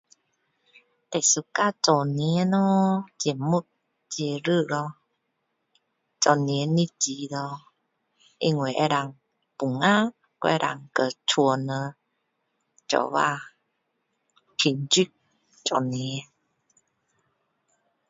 最喜欢做年咯节目节日咯做年的节日因为可以放假还可以跟家里人一起庆祝做年